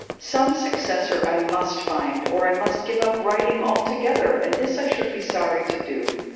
Some successor I must find, or I must give up writing altogether, and this I should be sorry to do.